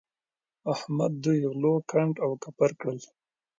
احمد دوی غلو کنډ او کپر کړل.